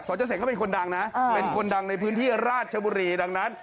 สแต่เซงก็เป็นคนดังนะในคืนที่ราชบุรีดังนั้น